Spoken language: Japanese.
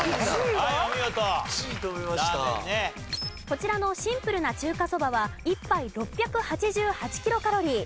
こちらのシンプルな中華そばは１杯６８８キロカロリー。